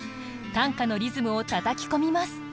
短歌のリズムをたたき込みます。